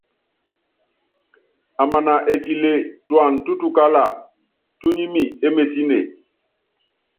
Amana etile tuáŋtutukála, túnyími émesine.